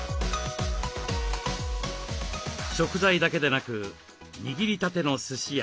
食材だけでなく握りたてのすしや。